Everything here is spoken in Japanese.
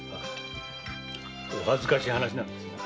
お恥ずかしい話なんですが。